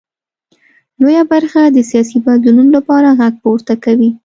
لویه برخه د سیاسي بدلونونو لپاره غږ پورته کوي.